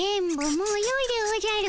もうよいでおじゃる。